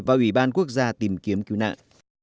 và ủy ban quốc gia tìm kiếm cứu nạn